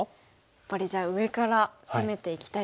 やっぱりじゃあ上から攻めていきたいですね。